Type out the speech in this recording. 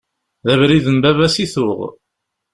D abrid n baba-s i tuɣ.